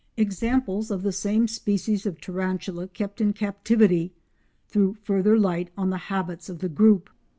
Examples of the same species of tarantula kept in captivity threw further light of the habits of the group.